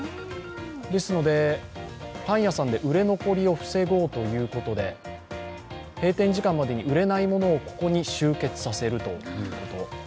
ですのでパン屋さんで売れ残りを防ごうということで閉店時間までに売れないものをここに集結させるということ。